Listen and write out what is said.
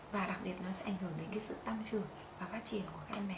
và đặc biệt nó sẽ ảnh hưởng đến cái sự tăng trưởng và phát triển của các em bé